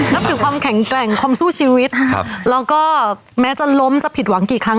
นับถือความแข็งแกร่งความสู้ชีวิตแล้วก็แม้จะล้มจะผิดหวังกี่ครั้ง